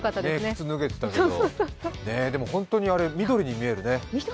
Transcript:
靴脱げてたけど、本当にあれ、緑に見えるね。